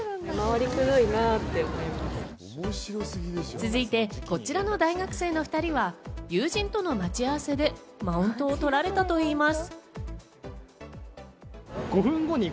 続いてこちらの大学生の２人は友人との待ち合わせでマウントを取られたといいます。